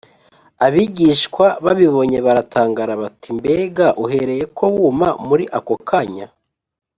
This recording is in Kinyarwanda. Abigishwa babibonye baratangara bati “Mbega uhereye ko wuma muri ako kanya?”